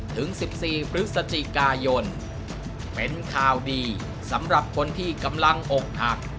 ถึง๑๔พฤศจิกายนเป็นข่าวดีสำหรับคนที่กำลังอกหัก